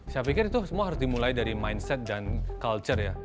saya pikir itu semua harus dimulai dari mindset dan culture ya